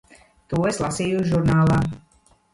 To es lasīju žurnālā.